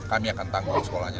kami akan tanggung sekolahnya